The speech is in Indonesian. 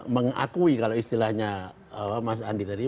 mengakui kalau istilahnya mas andi tadi